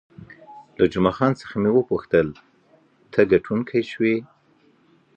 له جمعه خان څخه مې وپوښتل، ته ګټونکی شوې؟